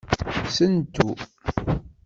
Sentu.